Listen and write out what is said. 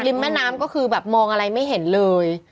แม่น้ำก็คือแบบมองอะไรไม่เห็นเลย